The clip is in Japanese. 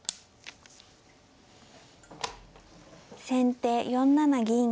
先手４七銀。